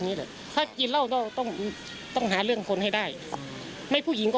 แหละถ้ากินเหล้าต้องต้องหาเรื่องคนให้ได้ไม่ผู้หญิงก็